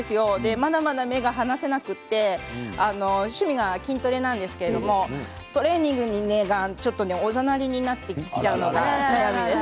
まだまだ目が離せなくて趣味が筋トレなんですけどトレーニングがちょっとおざなりになってきちゃうのが悩みです。